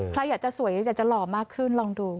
ใครอยากจะสวยอยากจะหล่อมากขึ้นลองดู